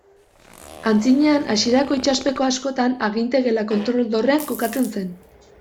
Aitzinean, hasierako itsaspeko askotan aginte-gela kontrol-dorrean kokatzen zen.